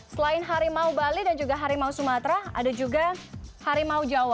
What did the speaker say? selain harimau bali dan juga harimau sumatera ada juga harimau jawa